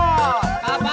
kelapa kelapa kelapa